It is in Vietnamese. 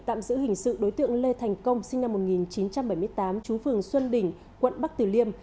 tạm giữ hình sự đối tượng lê thành công sinh năm một nghìn chín trăm bảy mươi tám chú phường xuân đỉnh quận bắc tử liêm